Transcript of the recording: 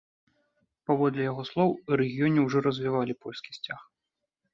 Паводле яго слоў, у рэгіёне ўжо развявалі польскія сцягі.